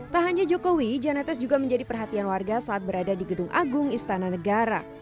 tak hanya jokowi janetes juga menjadi perhatian warga saat berada di gedung agung istana negara